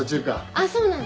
あっそうなの。